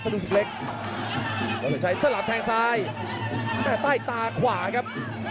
กระโดยสิ้งเล็กนี่ออกกันขาสันเหมือนกันครับ